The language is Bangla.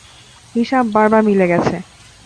হিসাব বারবার মিলে গেছে।